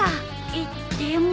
えっでも。